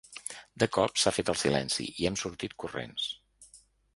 De cop s’ha fet el silenci i hem sortit corrents.